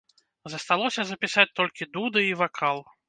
Засталося запісаць толькі дуды і вакал.